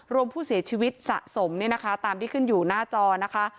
รวมผู้เสียชีวิตสะสมเนี่ยนะคะตามที่ขึ้นอยู่หน้าจอนะคะ